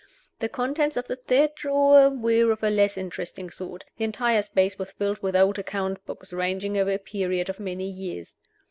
The contents of the third drawer were of a less interesting sort: the entire space was filled with old account books, ranging over a period of many years.